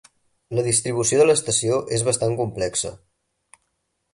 La distribució de l'estació és bastant complexa.